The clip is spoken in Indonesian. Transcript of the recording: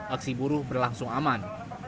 aksi buruh berlangsung aman